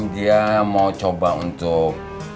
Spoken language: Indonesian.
dia mau coba untuk